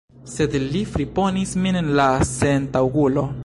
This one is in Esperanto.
Sed li friponis min, la sentaŭgulo!